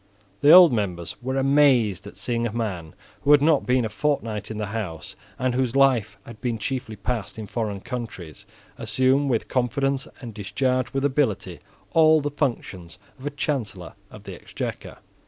The old members were amazed at seeing a man who had not been a fortnight in the House, and whose life had been chiefly passed in foreign countries, assume with confidence, and discharge with ability, all the functions of a Chancellor of the Exchequer.